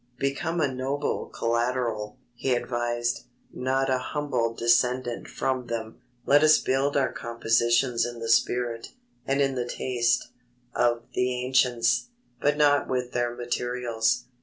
"Become a noble collateral," he advised, "not a humble descendant from them. Let us build our compositions in the spirit, and in the taste, of the ancients, but not with their materials.